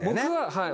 はい。